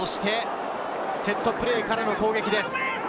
セットプレーからの攻撃です。